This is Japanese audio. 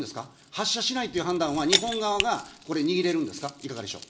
発射しないという判断は日本側がこれ、握れるんですか。